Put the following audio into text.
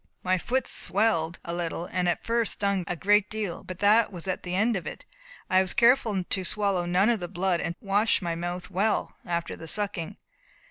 My foot swelled a little, and at first stung a great deal. But that was the end of it. I was careful to swallow none of the blood, and to wash my mouth well after the sucking."